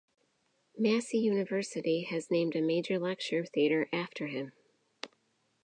Massey University has named a major lecture theatre after him.